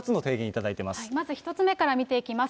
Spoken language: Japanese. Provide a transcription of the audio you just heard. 頂まず１つ目から見ていきます。